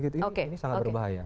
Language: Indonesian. ini sangat berbahaya